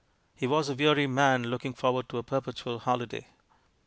He was a weary man looking forward to a perpetual holiday.